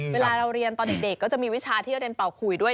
เวลาเราเรียนตอนเด็กก็จะมีวิชาที่จะเรียนเป่าขุยด้วย